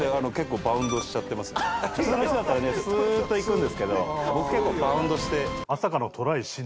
普通の人だったらスっと行くんですけど僕結構バウンドして。